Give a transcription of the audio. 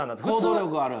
行動力ある。